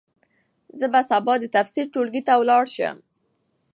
زه به سبا د تفسیر ټولګي ته ولاړ شم.